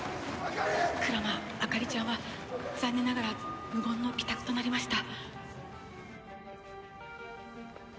鞍馬あかりちゃんは残念ながら無言の帰宅となりました。